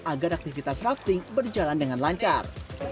agar aktivitas rafting berjalan dengan lancar